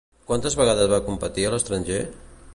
Quantes vegades va competir a l'estranger?